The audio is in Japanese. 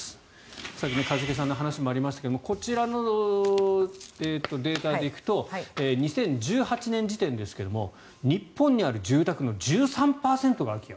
さっき一茂さんの話にもありましたがこちらのデータで行くと２０１８年時点ですが日本にある住宅の１３％が空き家。